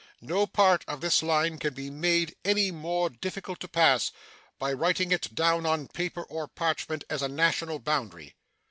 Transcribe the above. No part of this line can be made any more difficult to pass by writing it down on paper or parchment as a national boundary.